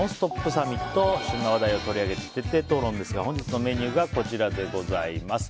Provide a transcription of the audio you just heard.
サミット旬な話題を取り上げて徹底討論ですが本日のメニューがこちらでございます。